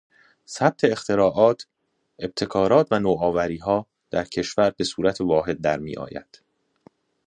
ثبت اختراعات، ابتکارات و نوآوری ها در کشور به صورت واحد در می آید.